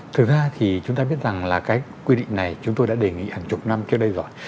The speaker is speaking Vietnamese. thực ra thì chúng ta biết rằng là cái quy định này chúng tôi đã đề nghị hàng chục năm trước đây rồi